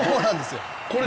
これ。